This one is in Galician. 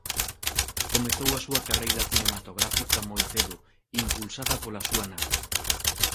Comezou a súa carreira cinematográfica moi cedo impulsada pola súa nai.